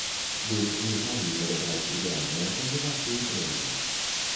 Плюс не змаглі падабраць ідэальныя камбінацыі трэнеры.